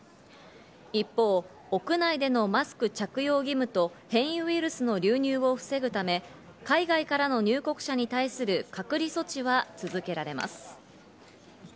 一方、屋内でのマスク着用義務と変異ウイルスの流入を防ぐため海外からの入国者に対する隔離措置は続けられます。